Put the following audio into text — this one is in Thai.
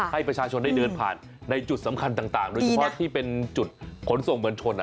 ให้ประชาชนได้เดินผ่านในจุดสำคัญต่างโดยเฉพาะที่เป็นจุดขนส่งเหมือนชน